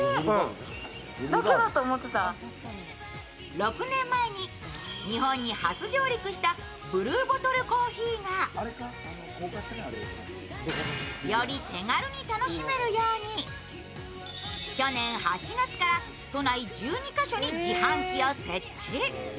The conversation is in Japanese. ６年前に日本に初上陸したＢｌｕｅＢｏｔｔｌｅＣｏｆｆｅｅがより手軽に楽しめるように去年８月から都内１２カ所に自販機を設置。